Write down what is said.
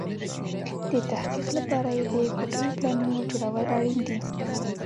د تحقق لپاره يې د کوټلو پلانونو جوړول اړين دي.